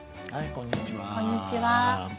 こんにちは。